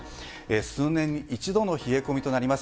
数年に一度の冷え込みとなります。